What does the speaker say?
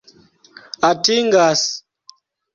atingas